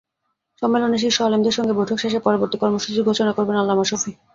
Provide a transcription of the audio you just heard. সম্মেলনে শীর্ষ আলেমদের সঙ্গে বৈঠক শেষে পরবর্তী কর্মসূচি ঘোষণা করবেন আল্লামা শফী।